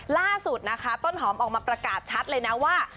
ล่าสุดนะคะต้นหอมออกมาประกาศชัดเลยนะว่า